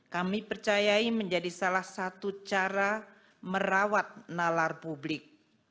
kami percayai menjadi salah satu cara merawat nalar publik